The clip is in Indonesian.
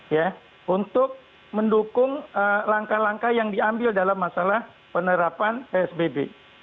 ya untuk mendukung langkah langkah yang diambil dalam masalah penerapan psbb